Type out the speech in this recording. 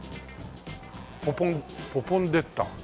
「ポポン」「ポポンデッタ」。